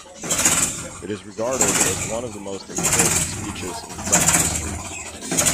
It is regarded as one of the most important speeches in French history.